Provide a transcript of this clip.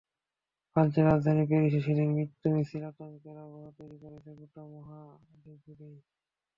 ফ্রান্সের রাজধানী প্যারিসে সেদিন মৃত্যুর মিছিল আতঙ্কের আবহ তৈরি করেছে গোটা মহাদেশজুড়েই।